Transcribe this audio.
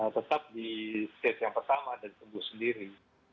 tetap di stage yang pertama dan tunggu sendiri